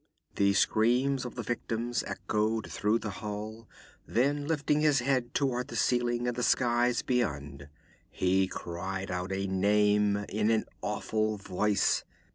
The screams of the victim echoed through the hall; then lifting his head toward the ceiling and the skies beyond, he cried out a name in an awful voice.